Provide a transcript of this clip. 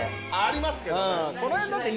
ありますけどね。